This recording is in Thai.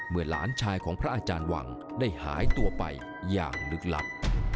หลานชายของพระอาจารย์วังได้หายตัวไปอย่างลึกลับ